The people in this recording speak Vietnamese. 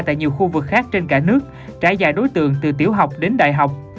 tại nhiều khu vực khác trên cả nước trải dài đối tượng từ tiểu học đến đại học